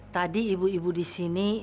tadi ibu ibu disini